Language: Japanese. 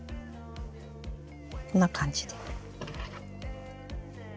こんな感じで。